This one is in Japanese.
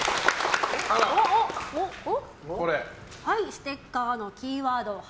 ステッカーのキーワード